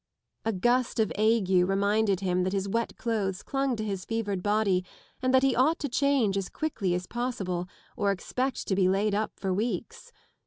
A gust of ague reminded him that wet clothes clung to bis fevered body and that he ought to change as quickly as possible, or expect to laid up for weeks.